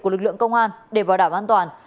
của lực lượng công an để bảo đảm an toàn